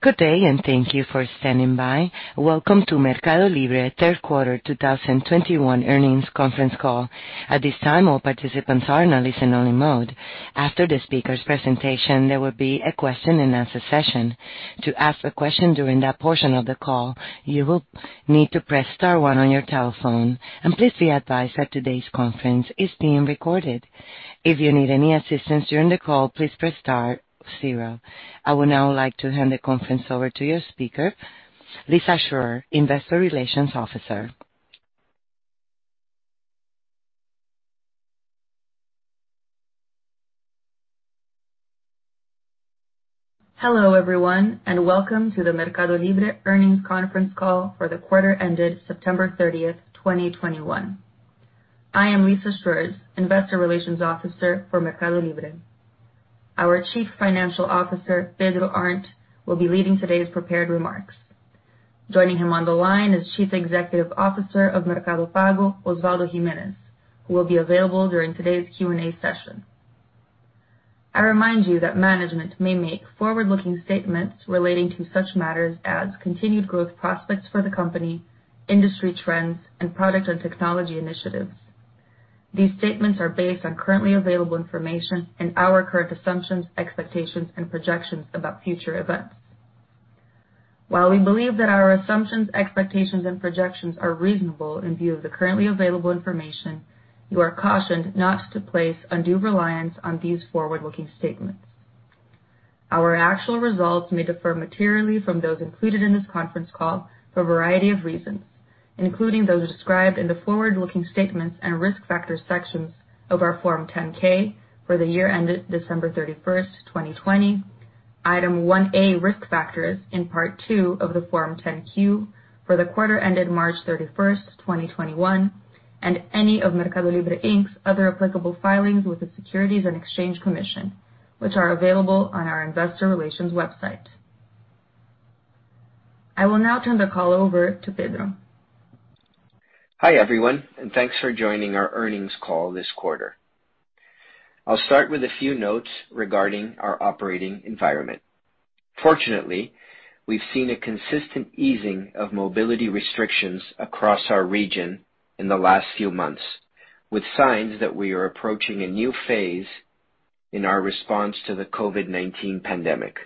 Good day, and thank you for standing by. Welcome to MercadoLibre third quarter 2021 earnings conference call. At this time, all participants are in a listen-only mode. After the speaker's presentation, there will be a question and answer session. To ask a question during that portion of the call, you will need to press star one on your telephone. Please be advised that today's conference is being recorded. If you need any assistance during the call, please press star zero. I would now like to hand the conference over to your speaker, Lissa Schreurs, Investor Relations Officer. Hello, everyone, and welcome to the MercadoLibre earnings conference call for the quarter ended September 30, 2021. I am Lissa Schreurs, Investor Relations Officer for MercadoLibre. Our Chief Financial Officer, Pedro Arnt, will be leading today's prepared remarks. Joining him on the line is Chief Executive Officer of Mercado Pago, Osvaldo Giménez, who will be available during today's Q&A session. I remind you that management may make forward-looking statements relating to such matters as continued growth prospects for the company, industry trends, and product and technology initiatives. These statements are based on currently available information and our current assumptions, expectations, and projections about future events. While we believe that our assumptions, expectations, and projections are reasonable in view of the currently available information, you are cautioned not to place undue reliance on these forward-looking statements. Our actual results may differ materially from those included in this conference call for a variety of reasons, including those described in the forward-looking statements and risk factors sections of our Form 10-K for the year ended December 31, 2020, Item 1A, risk factors in part two of the Form 10-Q for the quarter ended March 31, 2021, and any of MercadoLibre, Inc.'s other applicable filings with the Securities and Exchange Commission, which are available on our investor relations website. I will now turn the call over to Pedro. Hi, everyone, and thanks for joining our earnings call this quarter. I'll start with a few notes regarding our operating environment. Fortunately, we've seen a consistent easing of mobility restrictions across our region in the last few months, with signs that we are approaching a new phase in our response to the COVID-19 pandemic.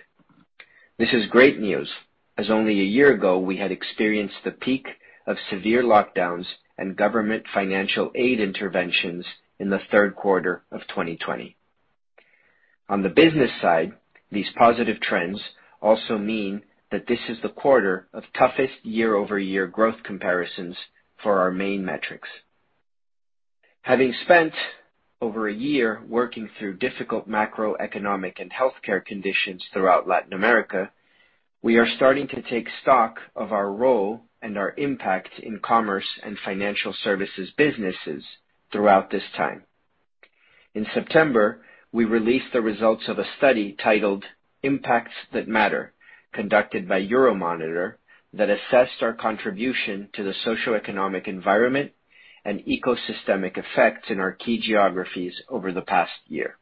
This is great news, as only a year ago we had experienced the peak of severe lockdowns and government financial aid interventions in the third quarter of 2020. On the business side, these positive trends also mean that this is the quarter of toughest year-over-year growth comparisons for our main metrics. Having spent over a year working through difficult macroeconomic and healthcare conditions throughout Latin America, we are starting to take stock of our role and our impact in commerce and financial services businesses throughout this time. In September, we released the results of a study titled Impacts That Matter, conducted by Euromonitor, that assessed our contribution to the socioeconomic environment and ecosystemic effects in our key geographies over the past year.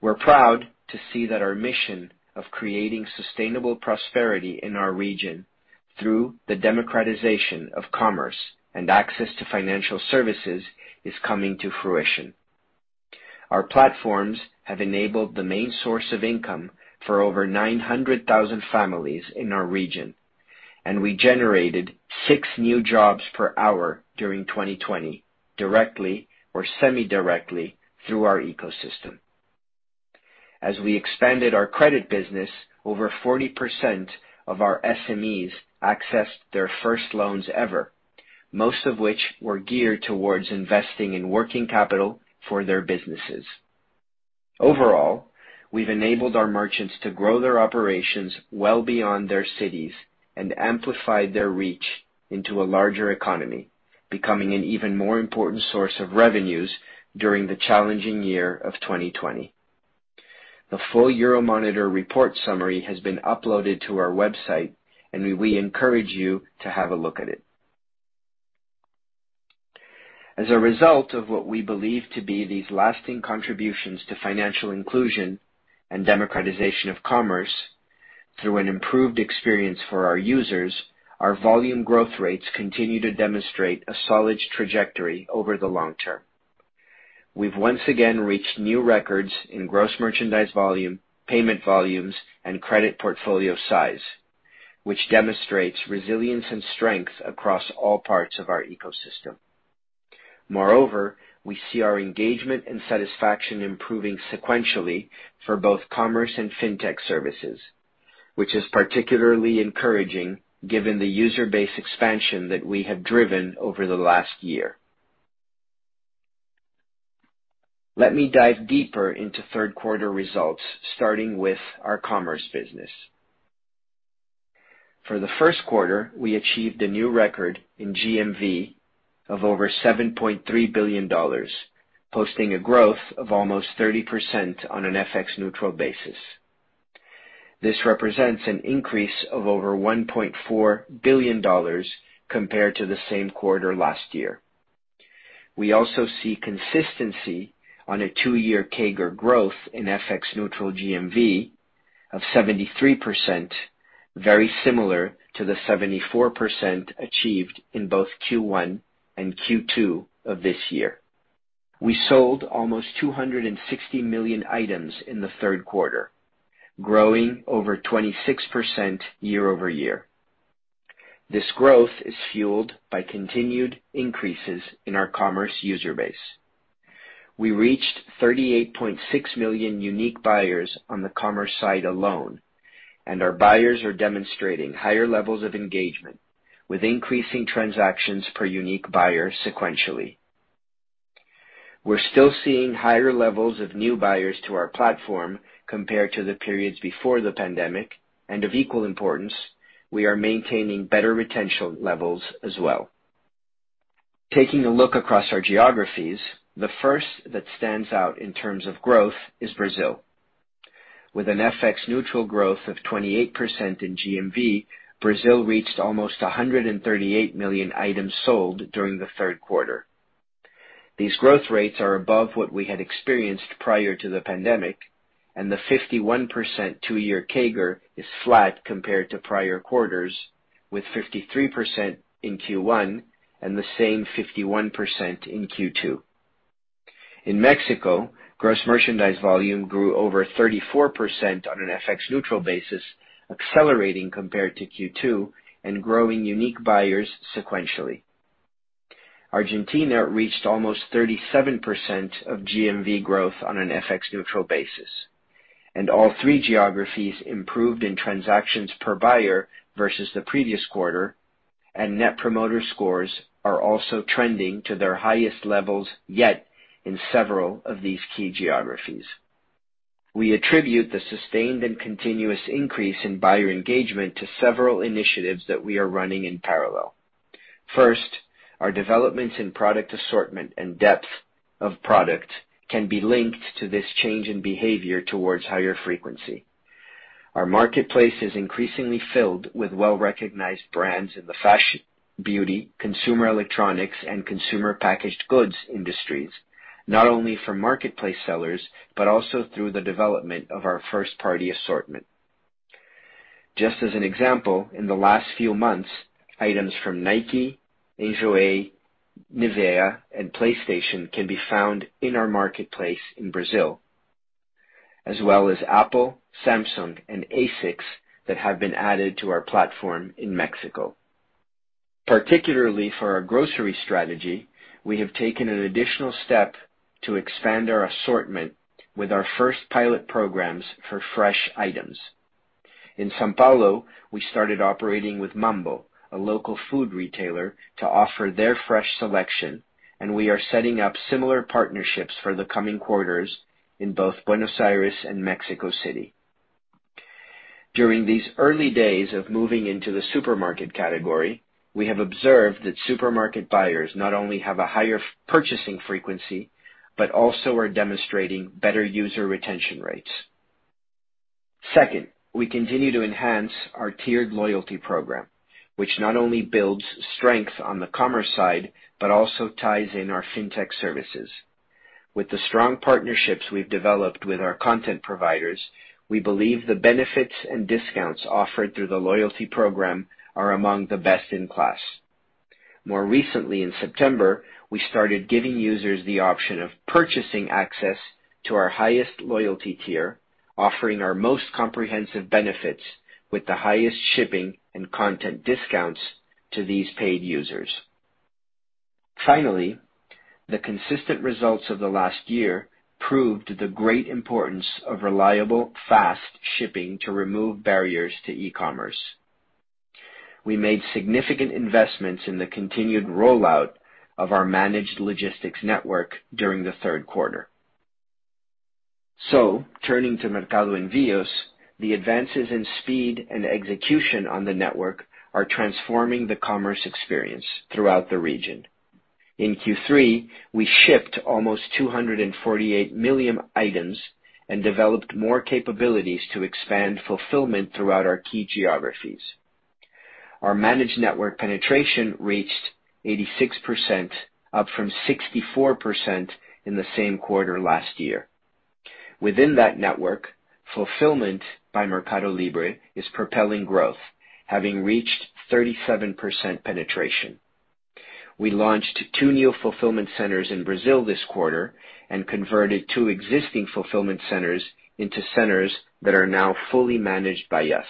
We're proud to see that our mission of creating sustainable prosperity in our region through the democratization of commerce and access to financial services is coming to fruition. Our platforms have enabled the main source of income for over 900,000 families in our region, and we generated six new jobs per hour during 2020 directly or semi-directly through our ecosystem. As we expanded our credit business, over 40% of our SMEs accessed their first loans ever, most of which were geared towards investing in working capital for their businesses. Overall, we've enabled our merchants to grow their operations well beyond their cities and amplified their reach into a larger economy, becoming an even more important source of revenues during the challenging year of 2020. The full Euromonitor report summary has been uploaded to our website, and we encourage you to have a look at it. As a result of what we believe to be these lasting contributions to financial inclusion and democratization of commerce through an improved experience for our users, our volume growth rates continue to demonstrate a solid trajectory over the long term. We've once again reached new records in gross merchandise volume, payment volumes, and credit portfolio size, which demonstrates resilience and strength across all parts of our ecosystem. Moreover, we see our engagement and satisfaction improving sequentially for both commerce and fintech services, which is particularly encouraging given the user base expansion that we have driven over the last year. Let me dive deeper into third quarter results, starting with our commerce business. For the third quarter, we achieved a new record in GMV of over $7.3 billion, posting a growth of almost 30% on an FX neutral basis. This represents an increase of over $1.4 billion compared to the same quarter last year. We also see consistency on a two-year CAGR growth in FX neutral GMV of 73%, very similar to the 74% achieved in both Q1 and Q2 of this year. We sold almost 260 million items in the third quarter, growing over 26% year-over-year. This growth is fueled by continued increases in our commerce user base. We reached 38.6 million unique buyers on the commerce side alone, and our buyers are demonstrating higher levels of engagement with increasing transactions per unique buyer sequentially. We're still seeing higher levels of new buyers to our platform compared to the periods before the pandemic, and of equal importance, we are maintaining better retention levels as well. Taking a look across our geographies, the first that stands out in terms of growth is Brazil. With an FX neutral growth of 28% in GMV, Brazil reached almost 138 million items sold during the third quarter. These growth rates are above what we had experienced prior to the pandemic, and the 51% two-year CAGR is flat compared to prior quarters, with 53% in Q1 and the same 51% in Q2. In Mexico, gross merchandise volume grew over 34% on an FX neutral basis, accelerating compared to Q2 and growing unique buyers sequentially. Argentina reached almost 37% of GMV growth on an FX neutral basis, and all three geographies improved in transactions per buyer versus the previous quarter, and net promoter scores are also trending to their highest levels yet in several of these key geographies. We attribute the sustained and continuous increase in buyer engagement to several initiatives that we are running in parallel. First, our developments in product assortment and depth of product can be linked to this change in behavior towards higher frequency. Our marketplace is increasingly filled with well-recognized brands in the fashion, beauty, consumer electronics, and consumer packaged goods industries, not only from marketplace sellers, but also through the development of our first-party assortment. Just as an example, in the last few months, items from Nike, Ajinomoto, NIVEA, and PlayStation can be found in our marketplace in Brazil, as well as Apple, Samsung, and ASICS that have been added to our platform in Mexico. Particularly for our grocery strategy, we have taken an additional step to expand our assortment with our first pilot programs for fresh items. In São Paulo, we started operating with Mambo, a local food retailer, to offer their fresh selection, and we are setting up similar partnerships for the coming quarters in both Buenos Aires and Mexico City. During these early days of moving into the supermarket category, we have observed that supermarket buyers not only have a higher purchasing frequency, but also are demonstrating better user retention rates. Second, we continue to enhance our tiered loyalty program, which not only builds strength on the commerce side, but also ties in our fintech services. With the strong partnerships we've developed with our content providers, we believe the benefits and discounts offered through the loyalty program are among the best in class. More recently, in September, we started giving users the option of purchasing access to our highest loyalty tier, offering our most comprehensive benefits with the highest shipping and content discounts to these paid users. Finally, the consistent results of the last year proved the great importance of reliable, fast shipping to remove barriers to e-commerce. We made significant investments in the continued rollout of our managed logistics network during the third quarter. Turning to Mercado Envios, the advances in speed and execution on the network are transforming the commerce experience throughout the region. In Q3, we shipped almost 248 million items and developed more capabilities to expand fulfillment throughout our key geographies. Our managed network penetration reached 86%, up from 64% in the same quarter last year. Within that network, fulfillment by MercadoLibre is propelling growth, having reached 37% penetration. We launched two new fulfillment centers in Brazil this quarter and converted two existing fulfillment centers into centers that are now fully managed by us.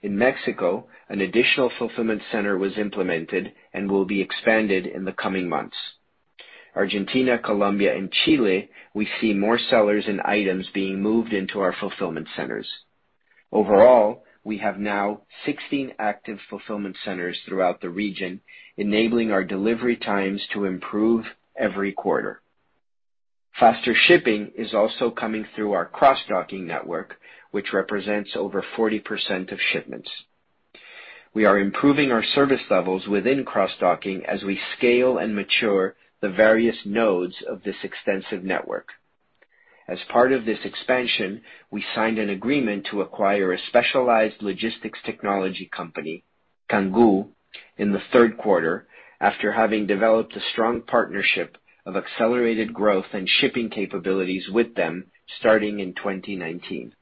In Mexico, an additional fulfillment center was implemented and will be expanded in the coming months. In Argentina, Colombia, and Chile, we see more sellers and items being moved into our fulfillment centers. Overall, we have now 16 active fulfillment centers throughout the region, enabling our delivery times to improve every quarter. Faster shipping is also coming through our cross-docking network, which represents over 40% of shipments. We are improving our service levels within cross-docking as we scale and mature the various nodes of this extensive network. As part of this expansion, we signed an agreement to acquire a specialized logistics technology company, Kangu, in the third quarter, after having developed a strong partnership of accelerated growth and shipping capabilities with them starting in 2019.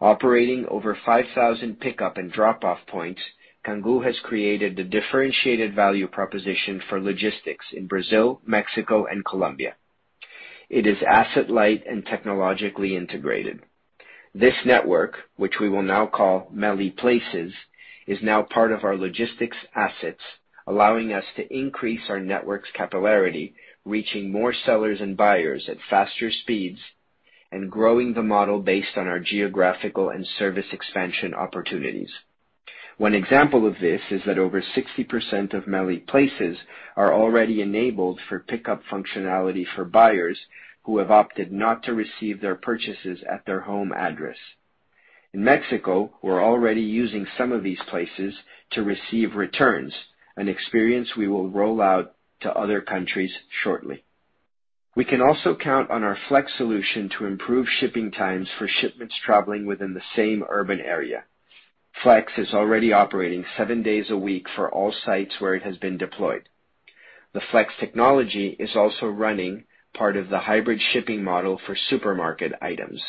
Operating over 5,000 pickup and drop-off points, Kangu has created a differentiated value proposition for logistics in Brazil, Mexico, and Colombia. It is asset-light and technologically integrated. This network, which we will now call MELI Places, is now part of our logistics assets, allowing us to increase our network's capillarity, reaching more sellers and buyers at faster speeds and growing the model based on our geographical and service expansion opportunities. One example of this is that over 60% of MELI Places are already enabled for pickup functionality for buyers who have opted not to receive their purchases at their home address. In Mexico, we're already using some of these places to receive returns, an experience we will roll out to other countries shortly. We can also count on our Flex solution to improve shipping times for shipments traveling within the same urban area. Flex is already operating seven days a week for all sites where it has been deployed. The Flex technology is also running part of the hybrid shipping model for supermarket items.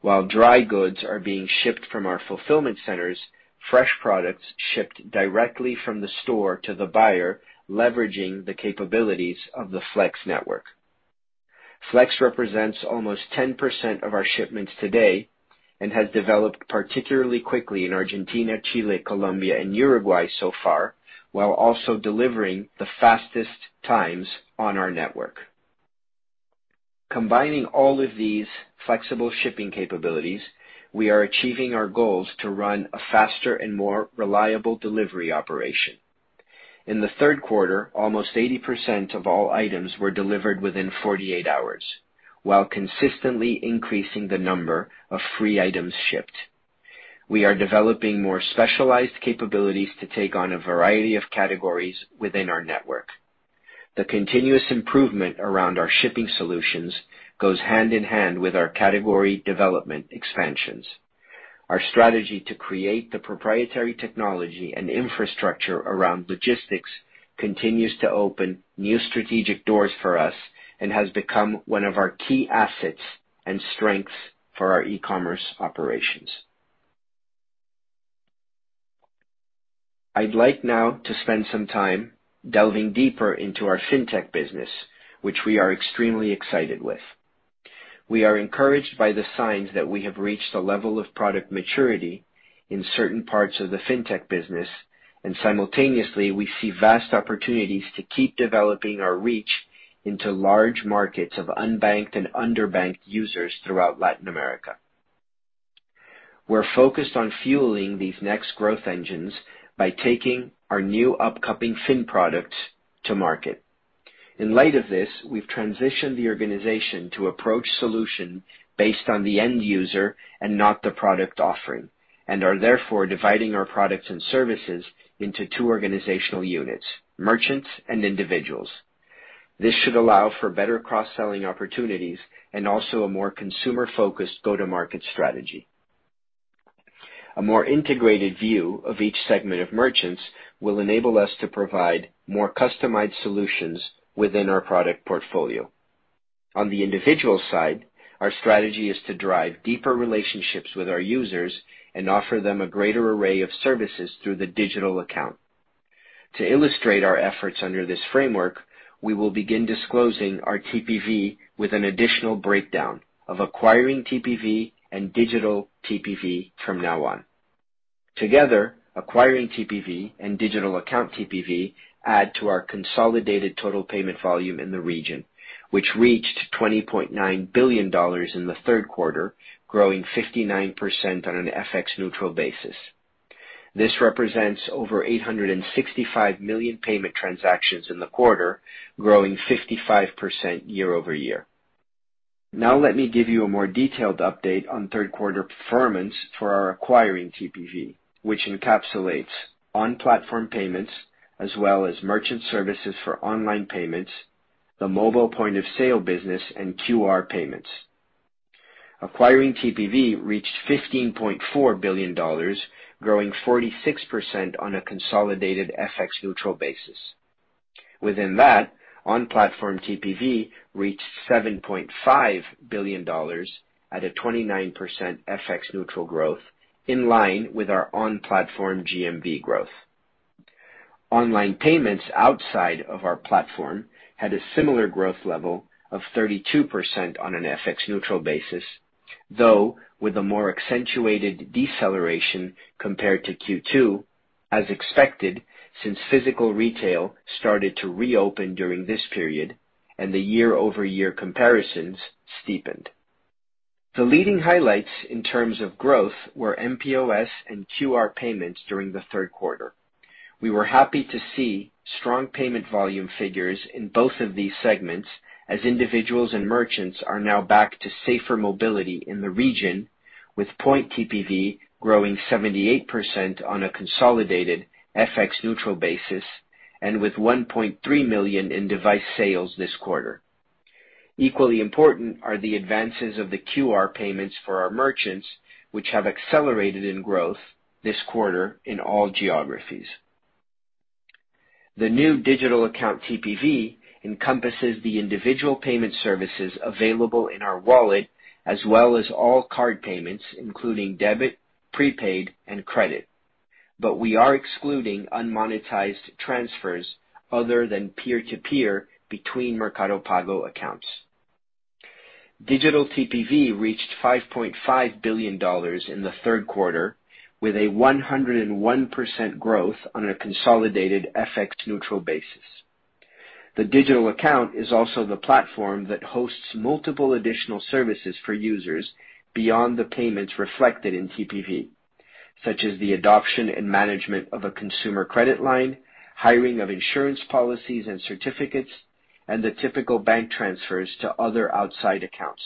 While dry goods are being shipped from our fulfillment centers, fresh products are shipped directly from the store to the buyer, leveraging the capabilities of the Flex network. Flex represents almost 10% of our shipments today and has developed particularly quickly in Argentina, Chile, Colombia, and Uruguay so far, while also delivering the fastest times on our network. Combining all of these flexible shipping capabilities, we are achieving our goals to run a faster and more reliable delivery operation. In the third quarter, almost 80% of all items were delivered within 48 hours while consistently increasing the number of free items shipped. We are developing more specialized capabilities to take on a variety of categories within our network. The continuous improvement around our shipping solutions goes hand in hand with our category development expansions. Our strategy to create the proprietary technology and infrastructure around logistics continues to open new strategic doors for us and has become one of our key assets and strengths for our e-commerce operations. I'd like now to spend some time delving deeper into our fintech business, which we are extremely excited with. We are encouraged by the signs that we have reached a level of product maturity in certain parts of the fintech business, and simultaneously, we see vast opportunities to keep developing our reach into large markets of unbanked and underbanked users throughout Latin America. We're focused on fueling these next growth engines by taking our new upcoming fintech products to market. In light of this, we've transitioned the organization to a solution-based approach on the end user and not the product offering, and are therefore dividing our products and services into two organizational units, merchants and individuals. This should allow for better cross-selling opportunities and also a more consumer-focused go-to-market strategy. A more integrated view of each segment of merchants will enable us to provide more customized solutions within our product portfolio. On the individual side, our strategy is to drive deeper relationships with our users and offer them a greater array of services through the digital account. To illustrate our efforts under this framework, we will begin disclosing our TPV with an additional breakdown of acquiring TPV and digital TPV from now on. Together, acquiring TPV and digital account TPV add to our consolidated total payment volume in the region, which reached $20.9 billion in the third quarter, growing 59% on an FX neutral basis. This represents over 865 million payment transactions in the quarter, growing 55% year-over-year. Now let me give you a more detailed update on third quarter performance for our acquiring TPV, which encapsulates on-platform payments as well as merchant services for online payments, the mobile point of sale business, and QR payments. Acquiring TPV reached $15.4 billion, growing 46% on a consolidated FX neutral basis. Within that, on-platform TPV reached $7.5 billion at a 29% FX neutral growth, in line with our on-platform GMV growth. Online payments outside of our platform had a similar growth level of 32% on an FX neutral basis, though with a more accentuated deceleration compared to Q2, as expected, since physical retail started to reopen during this period, and the year-over-year comparisons steepened. The leading highlights in terms of growth were mPOS and QR payments during the third quarter. We were happy to see strong payment volume figures in both of these segments as individuals and merchants are now back to safer mobility in the region, with Point TPV growing 78% on a consolidated FX neutral basis and with 1.3 million in device sales this quarter. Equally important are the advances of the QR payments for our merchants, which have accelerated in growth this quarter in all geographies. The new digital account TPV encompasses the individual payment services available in our wallet, as well as all card payments, including debit, prepaid, and credit. We are excluding unmonetized transfers other than peer-to-peer between Mercado Pago accounts. Digital TPV reached $5.5 billion in the third quarter, with a 101% growth on a consolidated FX neutral basis. The digital account is also the platform that hosts multiple additional services for users beyond the payments reflected in TPV, such as the adoption and management of a consumer credit line, hiring of insurance policies and certificates, and the typical bank transfers to other outside accounts.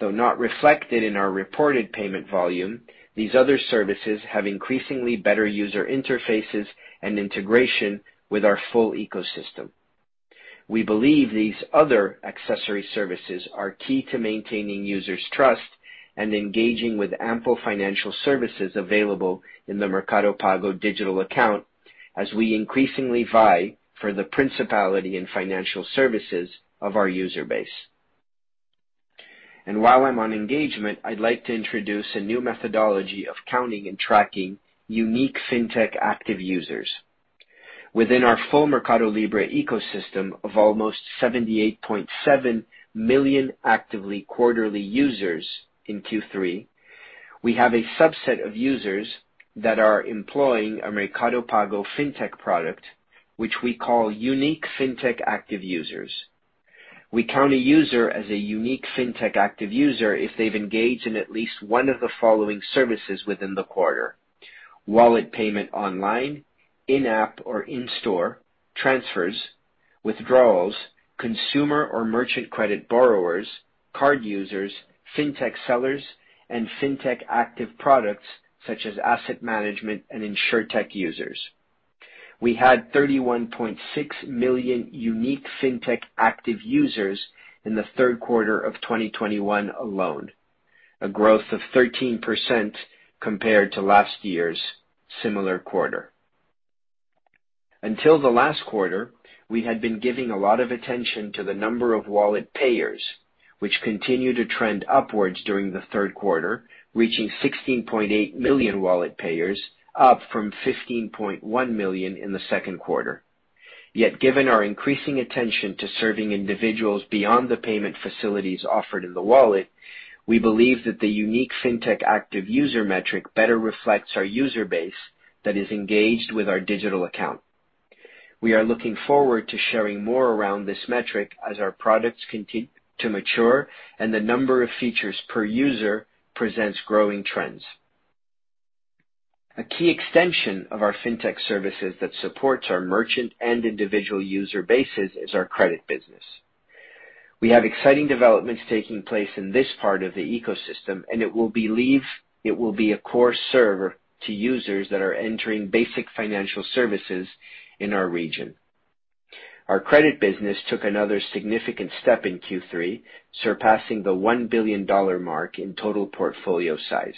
Though not reflected in our reported payment volume, these other services have increasingly better user interfaces and integration with our full ecosystem. We believe these other accessory services are key to maintaining users' trust and engaging with ample financial services available in the Mercado Pago digital account as we increasingly vie for the principality in financial services of our user base. While I'm on engagement, I'd like to introduce a new methodology of counting and tracking unique fintech active users. Within our full MercadoLibre ecosystem of almost 78.7 million active quarterly users in Q3, we have a subset of users that are employing a Mercado Pago fintech product, which we call unique fintech active users. We count a user as a unique fintech active user if they've engaged in at least one of the following services within the quarter: wallet payment online, in-app or in-store, transfers, withdrawals, consumer or merchant credit borrowers, card users, fintech sellers, and fintech active products such as asset management and insurtech users. We had 31.6 million unique fintech active users in the third quarter of 2021 alone, a growth of 13% compared to last year's similar quarter. Until the last quarter, we had been giving a lot of attention to the number of wallet payers, which continued to trend upwards during the third quarter, reaching 16.8 million wallet payers, up from 15.1 million in the second quarter. Yet, given our increasing attention to serving individuals beyond the payment facilities offered in the wallet, we believe that the unique fintech active user metric better reflects our user base that is engaged with our digital account. We are looking forward to sharing more around this metric as our products continue to mature and the number of features per user presents growing trends. A key extension of our fintech services that supports our merchant and individual user bases is our credit business. We have exciting developments taking place in this part of the ecosystem, and it will believe... It will be a core server to users that are entering basic financial services in our region. Our credit business took another significant step in Q3, surpassing the $1 billion mark in total portfolio size.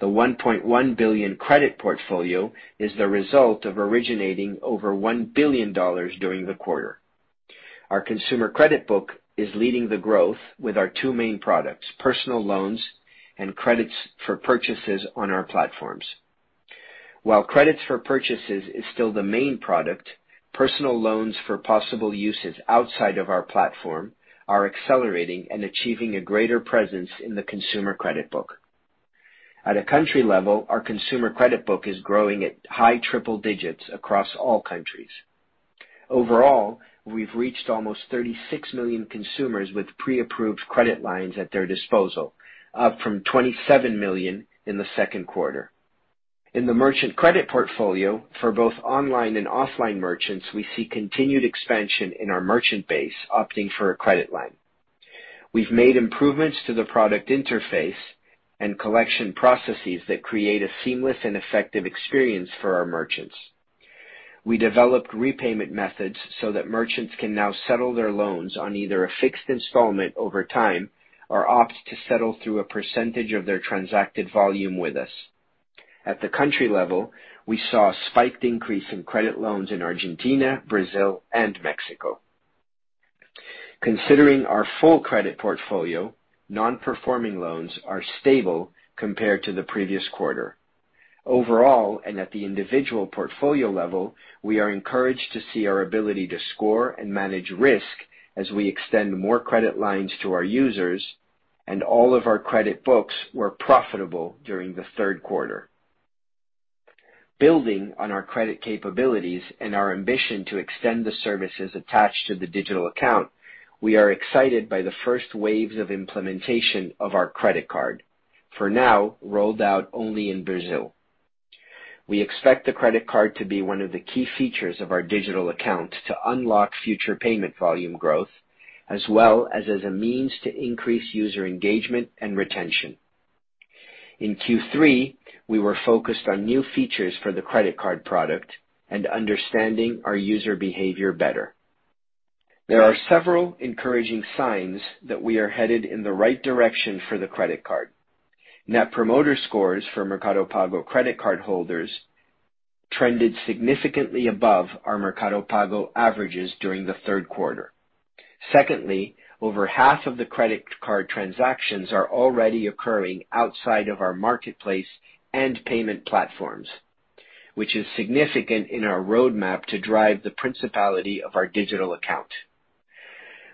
The $1.1 billion credit portfolio is the result of originating over $1 billion during the quarter. Our consumer credit book is leading the growth with our two main products, personal loans and credits for purchases on our platforms. While credits for purchases is still the main product, personal loans for possible usage outside of our platform are accelerating and achieving a greater presence in the consumer credit book. At a country level, our consumer credit book is growing at high triple digits across all countries. Overall, we've reached almost 36 million consumers with pre-approved credit lines at their disposal, up from 27 million in the second quarter. In the merchant credit portfolio for both online and offline merchants, we see continued expansion in our merchant base opting for a credit line. We've made improvements to the product interface and collection processes that create a seamless and effective experience for our merchants. We developed repayment methods so that merchants can now settle their loans on either a fixed installment over time or opt to settle through a percentage of their transacted volume with us. At the country level, we saw a spike in credit loans in Argentina, Brazil, and Mexico. Considering our full credit portfolio, non-performing loans are stable compared to the previous quarter. Overall, and at the individual portfolio level, we are encouraged to see our ability to score and manage risk as we extend more credit lines to our users, and all of our credit books were profitable during the third quarter. Building on our credit capabilities and our ambition to extend the services attached to the digital account, we are excited by the first waves of implementation of our credit card, for now rolled out only in Brazil. We expect the credit card to be one of the key features of our digital account to unlock future payment volume growth, as well as a means to increase user engagement and retention. In Q3, we were focused on new features for the credit card product and understanding our user behavior better. There are several encouraging signs that we are headed in the right direction for the credit card. Net promoter scores for Mercado Pago credit card holders trended significantly above our Mercado Pago averages during the third quarter. Secondly, over half of the credit card transactions are already occurring outside of our marketplace and payment platforms, which is significant in our roadmap to drive the utility of our digital account.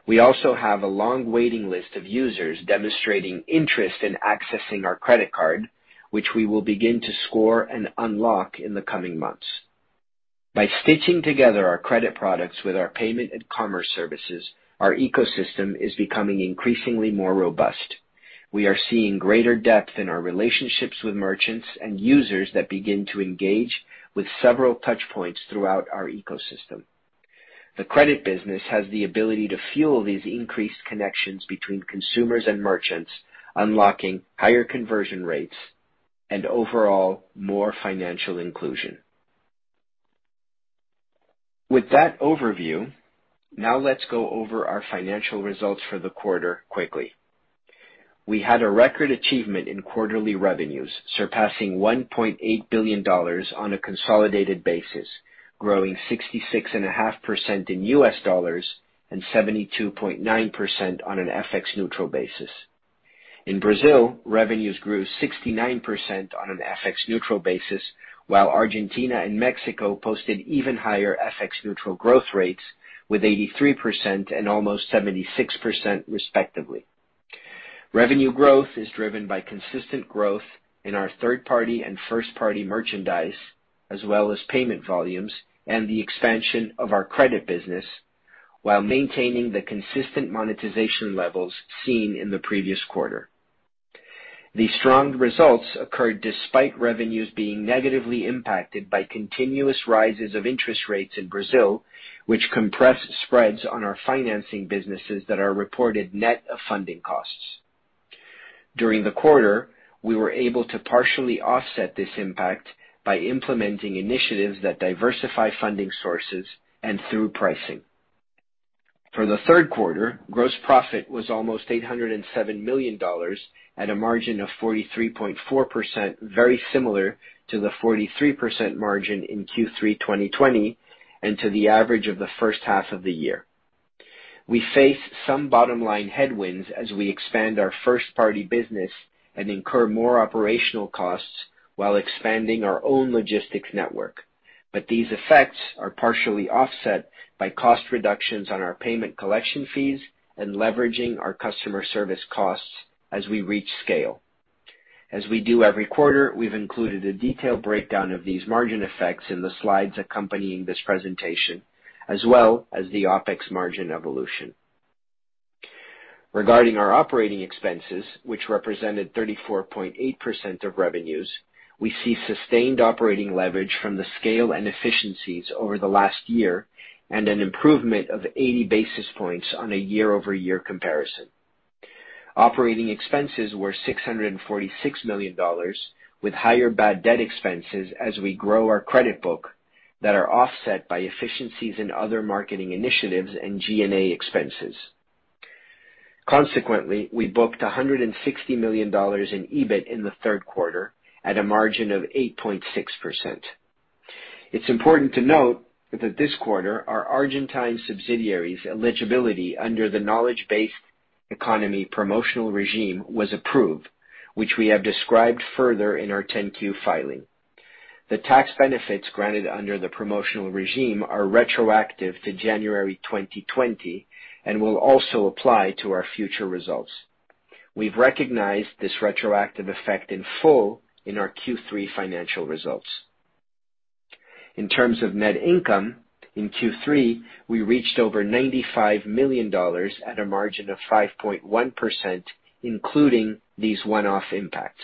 We also have a long waiting list of users demonstrating interest in accessing our credit card, which we will begin to score and unlock in the coming months. By stitching together our credit products with our payment and commerce services, our ecosystem is becoming increasingly more robust. We are seeing greater depth in our relationships with merchants and users that begin to engage with several touch points throughout our ecosystem. The credit business has the ability to fuel these increased connections between consumers and merchants, unlocking higher conversion rates and overall more financial inclusion. With that overview, now let's go over our financial results for the quarter quickly. We had a record achievement in quarterly revenues, surpassing $1.8 billion on a consolidated basis, growing 66.5% in US dollars and 72.9% on an FX neutral basis. In Brazil, revenues grew 69% on an FX neutral basis, while Argentina and Mexico posted even higher FX neutral growth rates with 83% and almost 76% respectively. Revenue growth is driven by consistent growth in our third-party and first-party merchandise, as well as payment volumes and the expansion of our credit business while maintaining the consistent monetization levels seen in the previous quarter. The strong results occurred despite revenues being negatively impacted by continuous rises of interest rates in Brazil, which compressed spreads on our financing businesses that are reported net of funding costs. During the quarter, we were able to partially offset this impact by implementing initiatives that diversify funding sources and through pricing. For the third quarter, gross profit was almost $807 million at a margin of 43.4%, very similar to the 43% margin in Q3 2020, and to the average of the first half of the year. We face some bottom line headwinds as we expand our first-party business and incur more operational costs while expanding our own logistics network. But these effects are partially offset by cost reductions on our payment collection fees and leveraging our customer service costs as we reach scale. As we do every quarter, we've included a detailed breakdown of these margin effects in the slides accompanying this presentation, as well as the OpEx margin evolution. Regarding our operating expenses, which represented 34.8% of revenues, we see sustained operating leverage from the scale and efficiencies over the last year and an improvement of 80 basis points on a year-over-year comparison. Operating expenses were $646 million, with higher bad debt expenses as we grow our credit book that are offset by efficiencies in other marketing initiatives and G&A expenses. Consequently, we booked $160 million in EBIT in the third quarter at a margin of 8.6%. It's important to note that this quarter, our Argentine subsidiary's eligibility under the Knowledge-Based Economy Promotional Regime was approved, which we have described further in our 10-Q filing. The tax benefits granted under the promotional regime are retroactive to January 2020 and will also apply to our future results. We've recognized this retroactive effect in full in our Q3 financial results. In terms of net income, in Q3, we reached over $95 million at a margin of 5.1%, including these one-off impacts.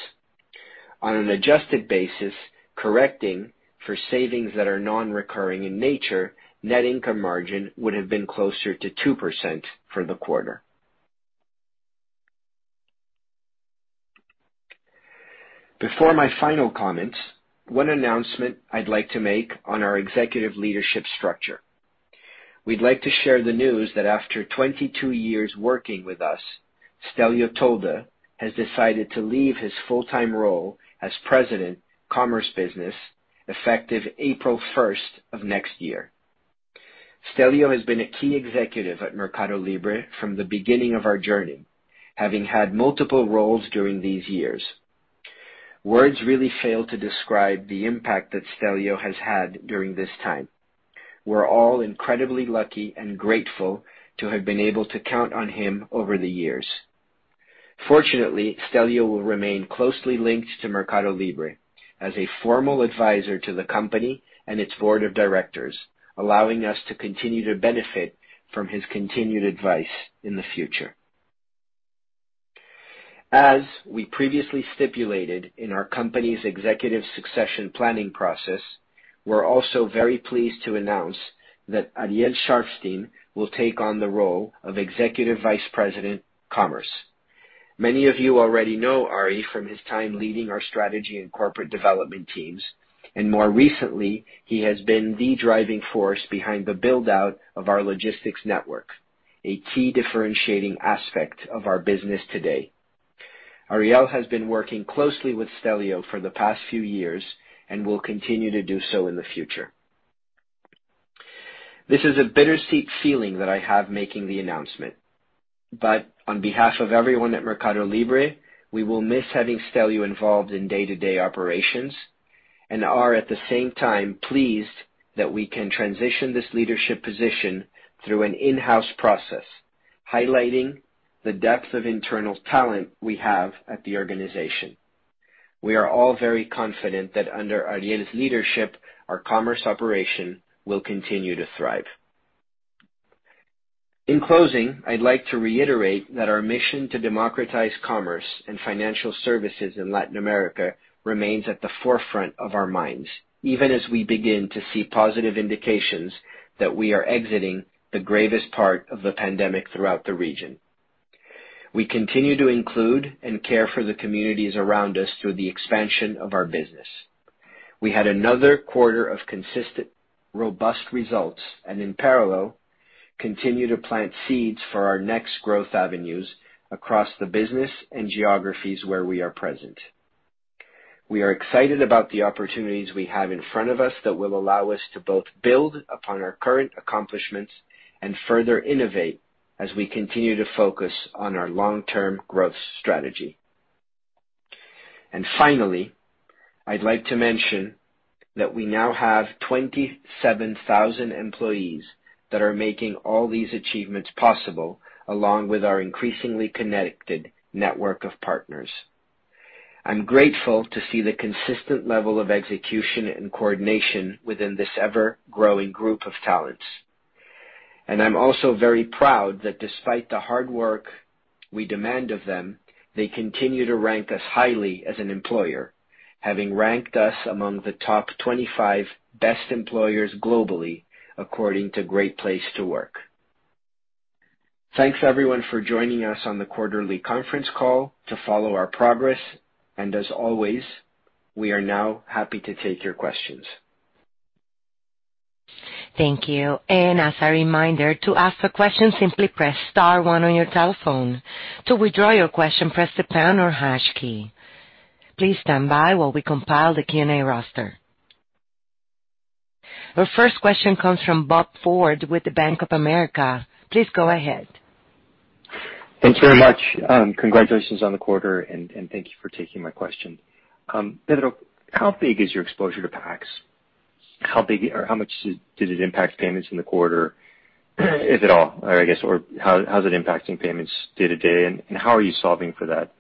On an adjusted basis, correcting for savings that are non-recurring in nature, net income margin would have been closer to 2% for the quarter. Before my final comments, one announcement I'd like to make on our executive leadership structure. We'd like to share the news that after 22 years working with us, Stelleo Tolda has decided to leave his full-time role as President, Commerce Business, effective April 1st of next year. Stelleo has been a key executive at MercadoLibre from the beginning of our journey, having had multiple roles during these years. Words really fail to describe the impact that Stelleo has had during this time. We're all incredibly lucky and grateful to have been able to count on him over the years. Fortunately, Stelleo will remain closely linked to MercadoLibre as a formal advisor to the company and its board of directors, allowing us to continue to benefit from his continued advice in the future. As we previously stipulated in our company's executive succession planning process, we're also very pleased to announce that Ariel Szarfsztejn will take on the role of Executive Vice President, Commerce. Many of you already know Ari from his time leading our strategy and corporate development teams, and more recently, he has been the driving force behind the build-out of our logistics network, a key differentiating aspect of our business today. Ariel has been working closely with Stelleo for the past few years and will continue to do so in the future. This is a bittersweet feeling that I have making the announcement, but on behalf of everyone at MercadoLibre, we will miss having Stelleo involved in day-to-day operations and are at the same time pleased that we can transition this leadership position through an in-house process, highlighting the depth of internal talent we have at the organization. We are all very confident that under Ariel's leadership, our commerce operation will continue to thrive. In closing, I'd like to reiterate that our mission to democratize commerce and financial services in Latin America remains at the forefront of our minds, even as we begin to see positive indications that we are exiting the gravest part of the pandemic throughout the region. We continue to include and care for the communities around us through the expansion of our business. We had another quarter of consistent, robust results and in parallel, continue to plant seeds for our next growth avenues across the business and geographies where we are present. We are excited about the opportunities we have in front of us that will allow us to both build upon our current accomplishments and further innovate as we continue to focus on our long-term growth strategy. Finally, I'd like to mention that we now have 27,000 employees that are making all these achievements possible, along with our increasingly connected network of partners. I'm grateful to see the consistent level of execution and coordination within this ever-growing group of talents. I'm also very proud that despite the hard work we demand of them, they continue to rank us highly as an employer, having ranked us among the top 25 best employers globally, according to Great Place To Work. Thanks, everyone, for joining us on the quarterly conference call to follow our progress. As always, we are now happy to take your questions. Our first question comes from Bob Ford with the Bank of America. Please go ahead. Thanks very much. Congratulations on the quarter, and thank you for taking my question. Pedro, how big is your exposure to PAX? How big or how much did it impact payments in the quarter, if at all, I guess? Or how is it impacting payments day to day, and how are you solving for that?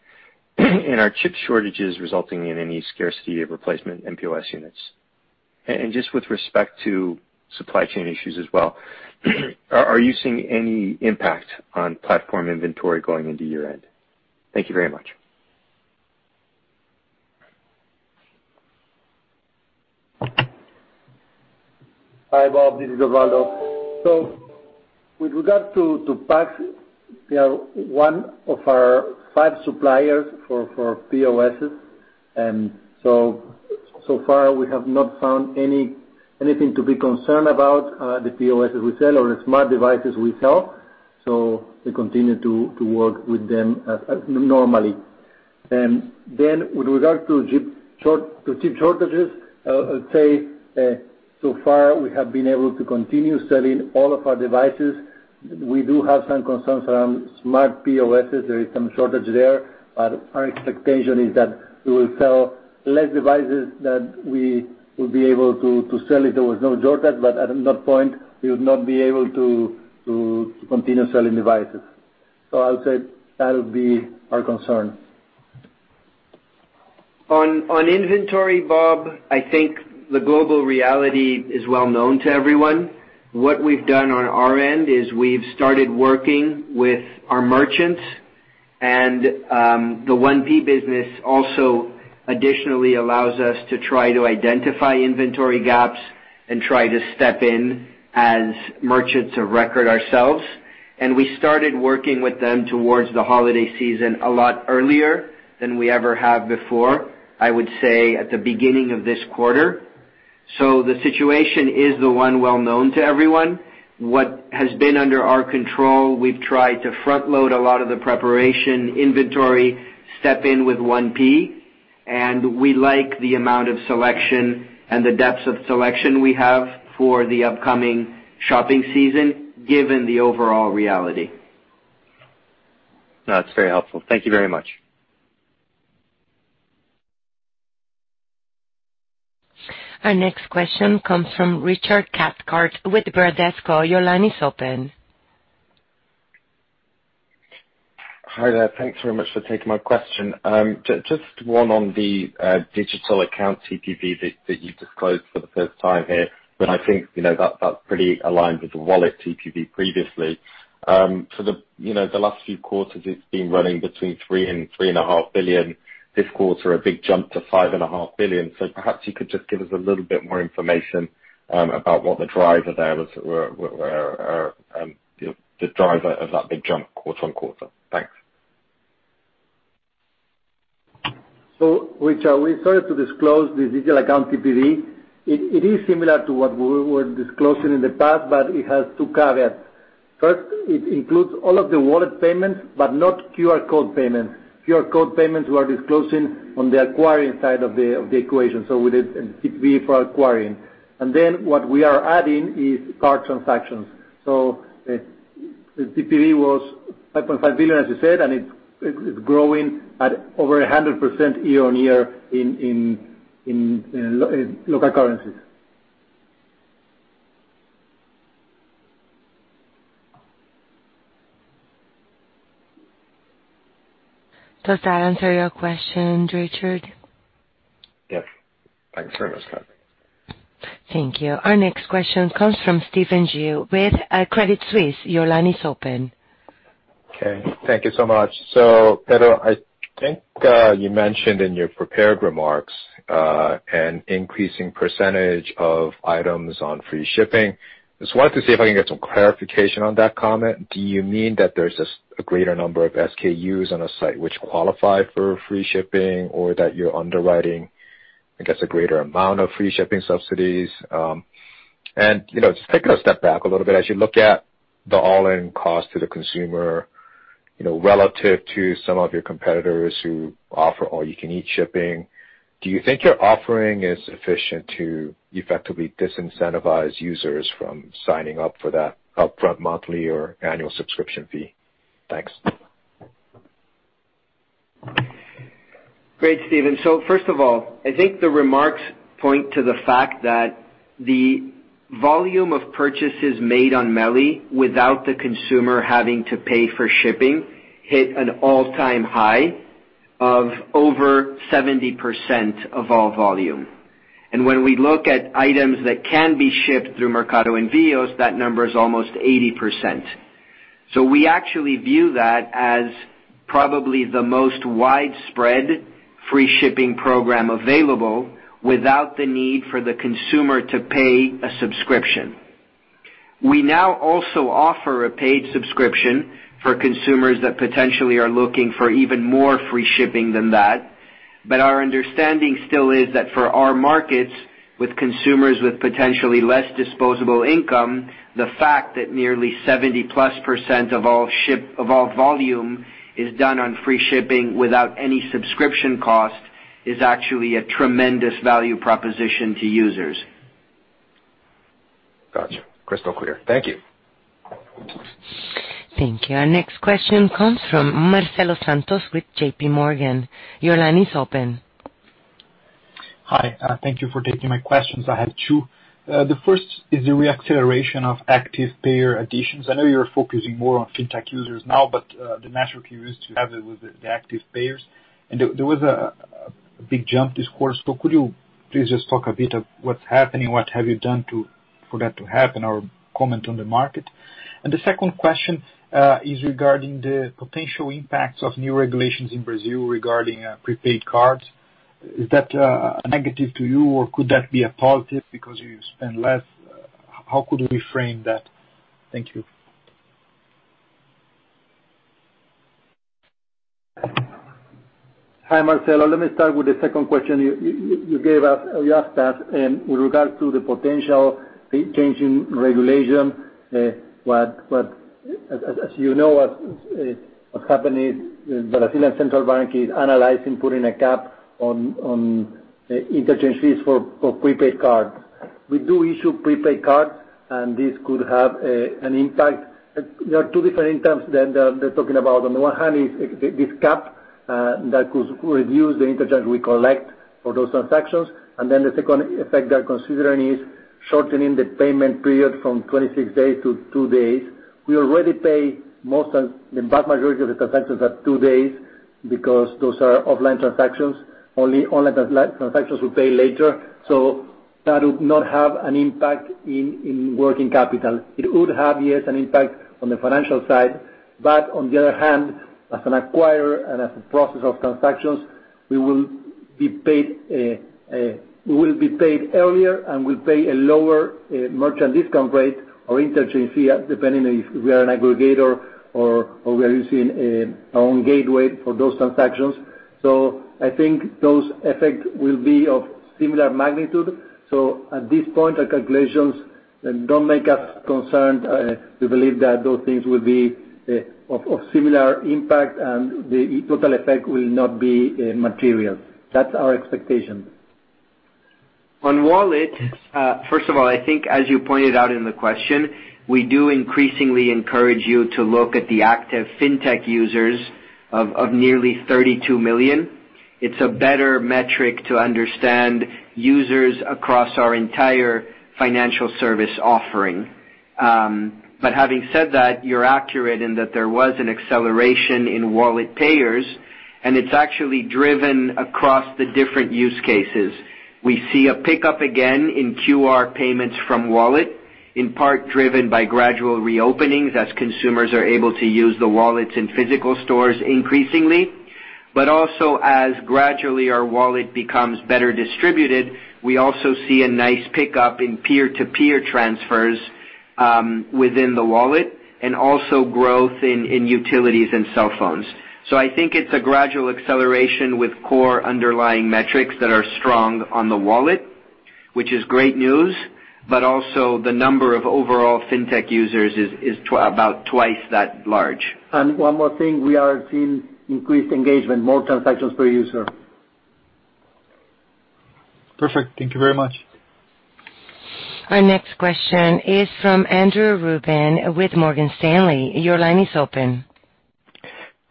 And are chip shortages resulting in any scarcity of replacement mPOS units? And just with respect to supply chain issues as well, are you seeing any impact on platform inventory going into year-end? Thank you very much. Hi, Bob. This is Osvaldo. With regard to PAX, they are one of our five suppliers for POSs. So far we have not found anything to be concerned about the POSs we sell or the smart devices we sell, so we continue to work with them as normally. With regard to chip shortages, I'd say so far we have been able to continue selling all of our devices. We do have some concerns around smart POSs. There is some shortage there, but our expectation is that we will sell less devices that we would be able to sell if there was no shortage. But at that point, we would not be able to continue selling devices. I'll say that'll be our concern. On inventory, Bob, I think the global reality is well known to everyone. What we've done on our end is we've started working with our merchants and the 1P business also additionally allows us to try to identify inventory gaps and try to step in as merchants of record ourselves. We started working with them towards the holiday season a lot earlier than we ever have before, I would say at the beginning of this quarter. The situation is the one well known to everyone. What has been under our control, we've tried to front-load a lot of the preparation inventory, step in with 1P, and we like the amount of selection and the depth of selection we have for the upcoming shopping season, given the overall reality. That's very helpful. Thank you very much. Our next question comes from Richard Cathcart with Bradesco. Your line is open. Hi there. Thanks very much for taking my question. Just one on the digital account TPV that you've disclosed for the first time here, but I think, you know, that's pretty aligned with the wallet TPV previously. For the last few quarters, you know, it's been running between $3 billion-$3.5 billion. This quarter, a big jump to $5.5 billion. Perhaps you could just give us a little bit more information about what the driver there was, the driver of that big jump quarter-over-quarter. Thanks. Richard, we started to disclose the digital account TPV. It is similar to what we were disclosing in the past, but it has two caveats. First, it includes all of the wallet payments, but not QR code payments. QR code payments we are disclosing on the acquiring side of the equation, so with a TPV for acquiring. Then what we are adding is card transactions. The TPV was $5.5 billion, as you said, and it's growing at over 100% year-on-year in local currencies. Does that answer your question, Richard? Yes. Thanks very much. Thank you. Our next question comes from Stephen Ju with Credit Suisse. Your line is open. Okay. Thank you so much. Pedro, I think you mentioned in your prepared remarks an increasing percentage of items on free shipping. Just wanted to see if I can get some clarification on that comment. Do you mean that there's just a greater number of SKUs on a site which qualify for free shipping or that you're underwriting, I guess, a greater amount of free shipping subsidies? You know, just taking a step back a little bit, as you look at the all-in cost to the consumer, you know, relative to some of your competitors who offer all-you-can-eat shipping, do you think your offering is sufficient to effectively disincentivize users from signing up for that upfront monthly or annual subscription fee? Thanks. Great, Stephen. First of all, I think the remarks point to the fact that the volume of purchases made on Meli without the consumer having to pay for shipping hit an all-time high of over 70% of all volume. When we look at items that can be shipped through Mercado Envios, that number is almost 80%. We actually view that as probably the most widespread free shipping program available without the need for the consumer to pay a subscription. We now also offer a paid subscription for consumers that potentially are looking for even more free shipping than that. Our understanding still is that for our markets, with consumers with potentially less disposable income, the fact that nearly 70%+ of all volume is done on free shipping without any subscription cost is actually a tremendous value proposition to users. Gotcha. Crystal clear. Thank you. Thank you. Our next question comes from Marcelo Santos with JPMorgan. Your line is open. Hi. Thank you for taking my questions. I have two. The first is the reacceleration of active payer additions. I know you're focusing more on fintech users now, but the metric you used to have it was the active payers. There was a big jump this quarter. Could you please just talk a bit of what's happening, what have you done for that to happen, or comment on the market? The second question is regarding the potential impacts of new regulations in Brazil regarding prepaid cards. Is that a negative to you, or could that be a positive because you spend less? How could we frame that? Thank you. Hi, Marcelo. Let me start with the second question you asked us in regard to the potential change in regulation. As you know, what happened is the Brazilian Central Bank is analyzing putting a cap on interchange fees for prepaid cards. We do issue prepaid cards, and this could have an impact. There are two different terms that they're talking about. On the one hand is this cap that could reduce the interchange we collect for those transactions. The second effect they're considering is shortening the payment period from 26 days to two days. We already pay the vast majority of the transactions at two days because those are offline transactions. Only online transactions will pay later. That would not have an impact in working capital. It would have, yes, an impact on the financial side. On the other hand, as an acquirer and as a processor of transactions, we will be paid earlier and we pay a lower merchant discount rate or interchange fee, depending on if we are an aggregator or we are using our own gateway for those transactions. I think those effects will be of similar magnitude. At this point, our calculations don't make us concerned. We believe that those things will be of similar impact and the total effect will not be material. That's our expectation. On wallet, first of all, I think as you pointed out in the question, we do increasingly encourage you to look at the active fintech users of nearly 32 million. It's a better metric to understand users across our entire financial service offering. Having said that, you're accurate in that there was an acceleration in wallet payers, and it's actually driven across the different use cases. We see a pickup again in QR payments from wallet, in part driven by gradual reopenings as consumers are able to use the wallets in physical stores increasingly. Also as gradually our wallet becomes better distributed, we also see a nice pickup in peer-to-peer transfers within the wallet and also growth in utilities and cell phones. I think it's a gradual acceleration with core underlying metrics that are strong on the wallet, which is great news. The number of overall fintech users is about twice that large. One more thing. We are seeing increased engagement, more transactions per user. Perfect. Thank you very much. Our next question is from Andrew Ruben with Morgan Stanley. Your line is open.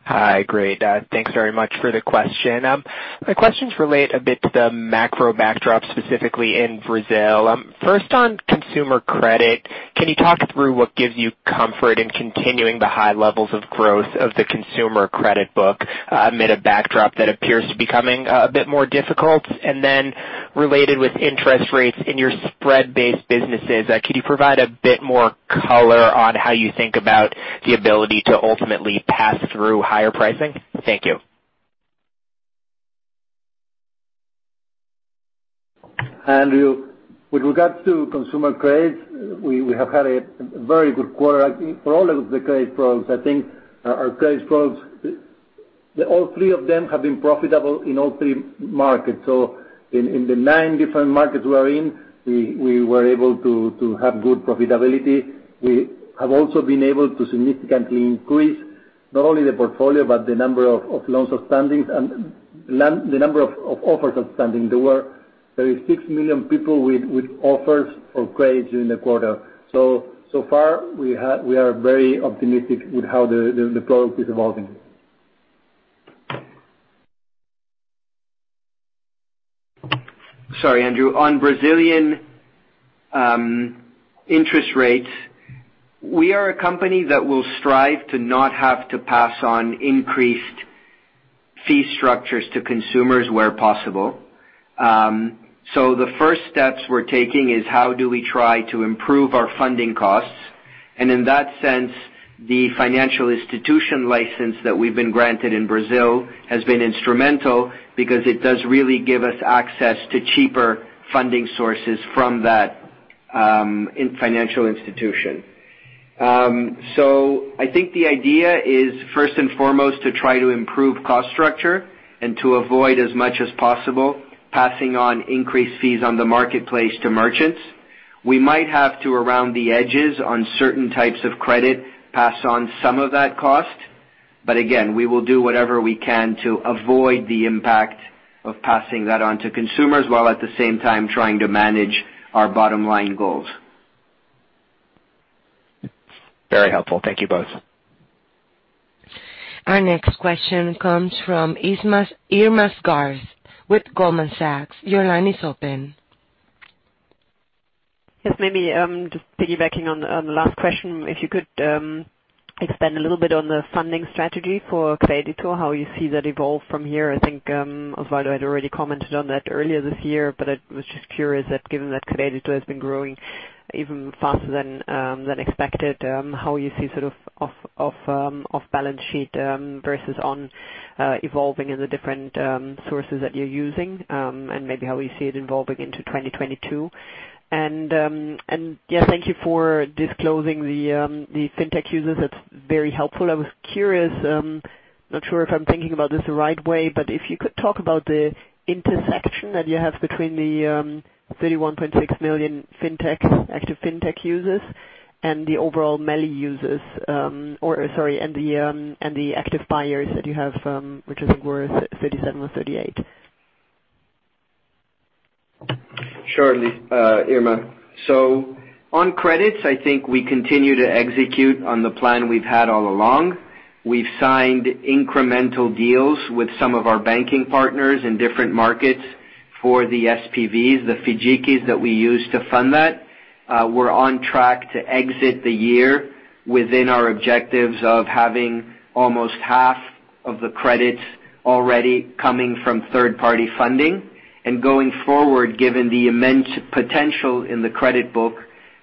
Hi. Great. Thanks very much for the question. My questions relate a bit to the macro backdrop, specifically in Brazil. First on consumer credit, can you talk through what gives you comfort in continuing the high levels of growth of the consumer credit book, amid a backdrop that appears to becoming a bit more difficult? Related with interest rates in your spread-based businesses, could you provide a bit more color on how you think about the ability to ultimately pass through higher pricing? Thank you. Andrew, with regards to consumer credit, we have had a very good quarter for all of the credit products. I think our credit products, all three of them have been profitable in all three markets. In the nine different markets we are in, we were able to have good profitability. We have also been able to significantly increase not only the portfolio, but the number of loans outstanding and the number of offers outstanding. There is 6 million people with offers for credit during the quarter. So far we are very optimistic with how the product is evolving. Sorry, Andrew. On Brazilian interest rates, we are a company that will strive to not have to pass on increased fee structures to consumers where possible. The first steps we're taking is how do we try to improve our funding costs? In that sense, the financial institution license that we've been granted in Brazil has been instrumental because it does really give us access to cheaper funding sources from that financial institution. I think the idea is first and foremost to try to improve cost structure and to avoid as much as possible passing on increased fees on the marketplace to merchants. We might have to, around the edges on certain types of credit, pass on some of that cost, but again, we will do whatever we can to avoid the impact of passing that on to consumers, while at the same time trying to manage our bottom line goals. Very helpful. Thank you both. Our next question comes from Irma Sgarz with Goldman Sachs. Your line is open. Yes, maybe just piggybacking on the last question, if you could expand a little bit on the funding strategy for Crédito, how you see that evolve from here. I think Osvaldo had already commented on that earlier this year, but I was just curious that given that Crédito has been growing even faster than expected, how you see sort of off balance sheet versus on evolving in the different sources that you're using, and maybe how you see it evolving into 2022. Yeah, thank you for disclosing the fintech users. That's very helpful. I was curious, not sure if I'm thinking about this the right way, but if you could talk about the intersection that you have between the 31.6 million active fintech users and the overall Meli users, or sorry, and the active buyers that you have, which I think were 37 or 38. Surely, Irma. On credits, I think we continue to execute on the plan we've had all along. We've signed incremental deals with some of our banking partners in different markets for the SPVs, the FIDCs that we use to fund that. We're on track to exit the year within our objectives of having almost half of the credits already coming from third-party funding. Going forward, given the immense potential in the credit book,